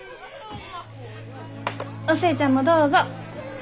お寿恵ちゃんもどうぞ。